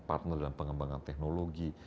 partner dalam pengembangan teknologi